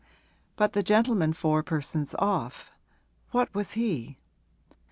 But the gentleman four persons off what was he?